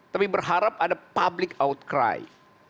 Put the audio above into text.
tapi berharap ada public outcry